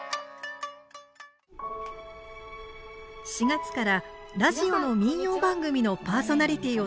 ４月からラジオの民謡番組のパーソナリティーを務めています。